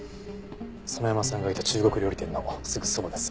園山さんがいた中国料理店のすぐそばです。